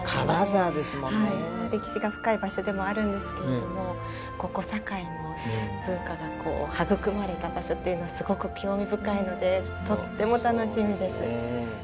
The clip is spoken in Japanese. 歴史が深い場所でもあるんですけれどもここ堺も文化が育まれた場所というのはすごく興味深いのでとっても楽しみです。